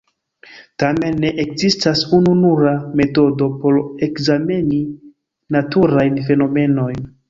Tamen, ne ekzistas ununura metodo por ekzameni naturajn fenomenojn.